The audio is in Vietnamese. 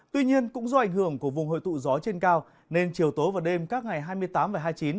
tuy nhiên cũng do ảnh hưởng của vùng hội tụ gió trên cao nên chiều tối và đêm các ngày hai mươi tám và hai mươi chín